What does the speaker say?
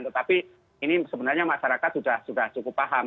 tetapi ini sebenarnya masyarakat sudah cukup paham